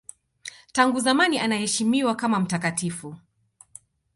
Tangu zamani anaheshimiwa kama mtakatifu.